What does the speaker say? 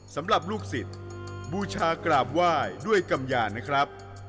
สำหรับลูกศิษย์บูชากราบไหว้ด้วยกำยานนะครับ